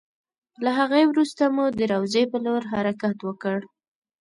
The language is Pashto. له هغې وروسته مو د روضې په لور حرکت وکړ.